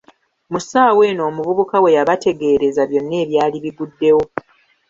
Mu ssaawa eno omuvubuka we yabategeereza byonna ebyali biguddewo.